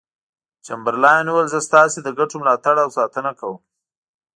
چمبرلاین وویل زه ستاسو د ګټو ملاتړ او ساتنه کوم.